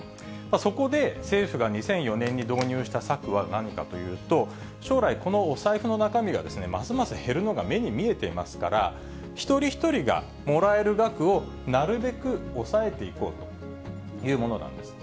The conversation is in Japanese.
そこで、政府が２００４年に導入した策は何かというと、将来、このお財布の中身がますます減るのが目に見えていますから、一人一人がもらえる額をなるべく抑えていこうというものなんです。